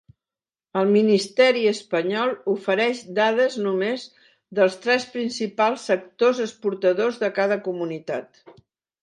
El ministeri espanyol ofereix dades només dels tres principals sectors exportadors de cada comunitat.